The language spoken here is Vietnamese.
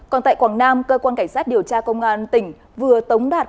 còn tại quảng nam cơ quan cảnh sát điều tra công an tỉnh vừa tống đạt